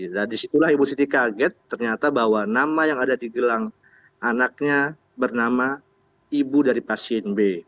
nah disitulah ibu siti kaget ternyata bahwa nama yang ada di gelang anaknya bernama ibu dari pasien b